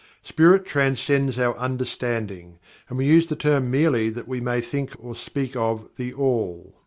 Spirit transcends our understanding, and we use the term merely that we may think or speak of THE ALL.